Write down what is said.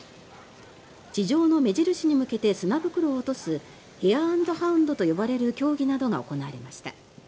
地上の目印に向けて砂袋を落とすヘア・アンド・ハウンドと呼ばれる競技などが行われました。